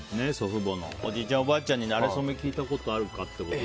おじいちゃん、おばあちゃんになれそめ聞いたことあるかって。